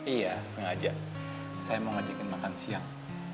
iya sengaja saya mau ngajakin makan siang